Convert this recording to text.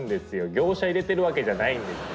業者入れてるわけじゃないんですよ！